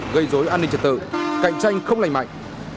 gây dối an ninh trật tự cạnh tranh không lành mạnh